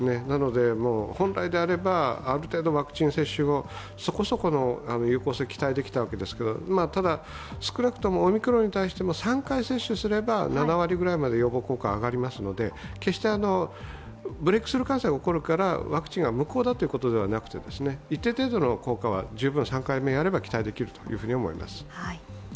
なので本来であればある程度ワクチン接種後、そこそこの有効性、期待できたんですがただ少なくともオミクロンに対しても３回接種すれば７割ぐらいまで予防効果は上がりますので、決してブレークスルー感染がおこるからワクチンが無効というわけではなくて一定程度の効果は十分３回やれば期待できると思います。